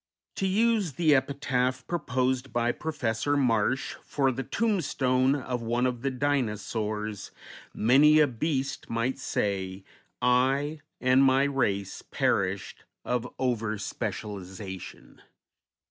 To use the epitaph proposed by Professor Marsh for the tombstone of one of the Dinosaurs, many a beast might say, "I, and my race perished of over specialization."